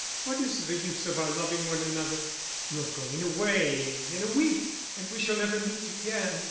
What is the use of our loving one another? You're going away in a week and we shall never meet again.